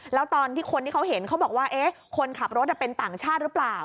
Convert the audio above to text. แล้วตอนที่คนที่เขาเห็นเขาบอกว่าคนขับรถเป็นต่างชาติหรือเปล่า